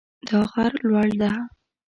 دا غر لوړ ده